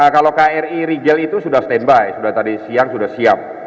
kalau kri rigel itu sudah standby sudah tadi siang sudah siap